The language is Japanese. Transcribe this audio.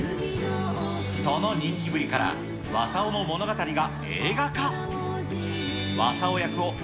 その人気ぶりから、わさおの物語が映画化。